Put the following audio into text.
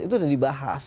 itu sudah dibahas